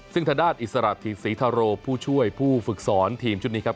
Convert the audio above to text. ซึ่งทางด้านอิสระธิศรีทาโรผู้ช่วยผู้ฝึกสอนทีมชุดนี้ครับ